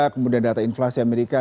kemudian data inflasi amerika